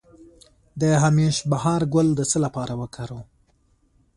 د همیش بهار ګل د څه لپاره وکاروم؟